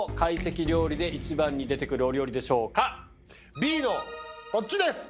Ｂのこっちです！